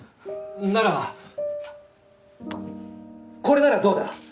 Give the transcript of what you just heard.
ならこれならどうだ？